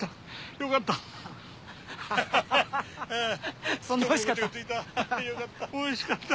よかった。